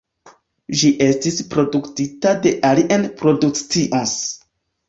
Ĝi estis produktita de Alien Productions.